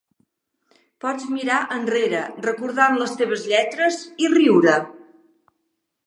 Pots mirar enrere recordant les teves lletres i riure.